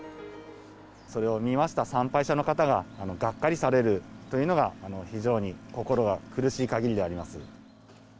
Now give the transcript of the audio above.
それを見ました参拝者の方ががっかりされるというのが非常に心が苦しいかぎりであります。